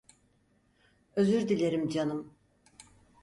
Özür dilerim canım.